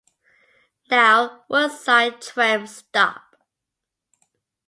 Now Woodside tram stop.